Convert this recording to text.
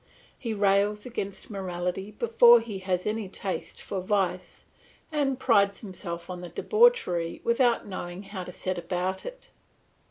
He rails against morality before he has any taste for vice, and prides himself on debauchery without knowing how to set about it.